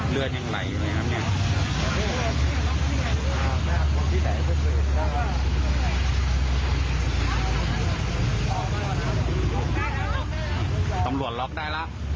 เลือดยังไหลอยู่นะครับนี่